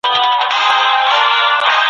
ایا په سهار کي د پیاز خوړل اشتها زیاتوي؟